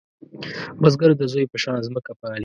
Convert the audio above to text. بزګر د زوی په شان ځمکه پالې